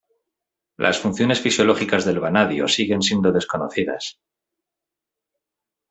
Las funciones fisiológicas del vanadio siguen siendo desconocidas.